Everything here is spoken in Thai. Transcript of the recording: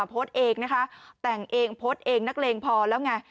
โพสต์เองนะคะแต่งเองโพสต์เองนักเลงพอแล้วไง